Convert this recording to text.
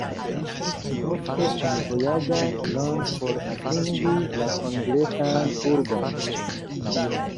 Ofte oni vojaĝas longe por atingi la kongresan urbon.